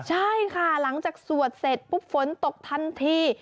ใช่ค่ะหลังจากสวดเสร็จปุ๊บฝนตกทันที